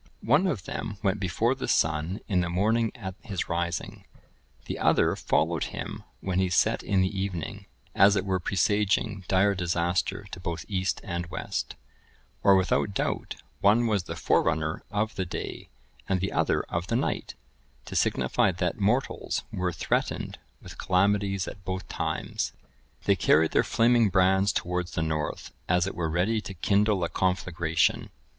One of them went before the sun in the morning at his rising, the other followed him when he set in the evening, as it were presaging dire disaster to both east and west; or without doubt one was the forerunner of the day, and the other of the night, to signify that mortals were threatened with calamities at both times. They carried their flaming brands towards the north, as it were ready to kindle a conflagration.